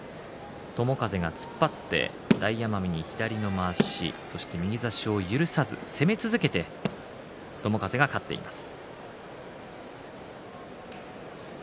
友風が突っ張って大奄美に左のまわしそして右差しを許さず攻め続けて友風が勝っています。